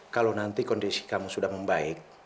kalau nanti kondisi kamu sudah membaik